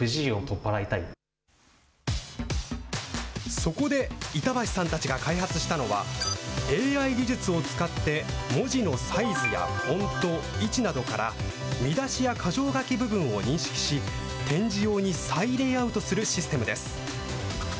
そこで、板橋さんたちが開発したのはＡＩ技術を使って文字のサイズやフォント、位置などから、見出しや箇条書き部分を認識し、点字用に再レイアウトするシステムです。